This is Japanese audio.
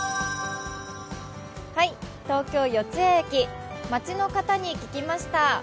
東京・四ツ谷駅、街の方に聞きました。